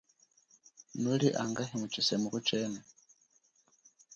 Nuli angahi mutshisemuko chenu ?